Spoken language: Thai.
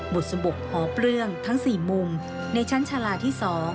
บุษบกหอเปลื้องทั้ง๔มุมในชั้นชาลาที่๒